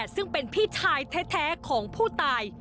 ซึ่งเป็นพี่ชายแท้ของผู้ตาย